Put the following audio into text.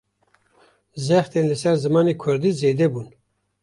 Zextên li ser zimanê Kurdî, zêde bûn